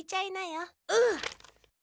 うん。